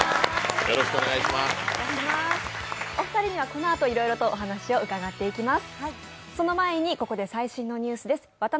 お二人にはこのあと、いろいろとお話を伺っていきます。